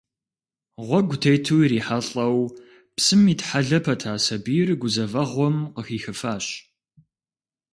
Гъуэгу тету ирихьэлӏэу псым итхьэлэ пэта сабийр гузэвэгъуэм къыхихыфащ.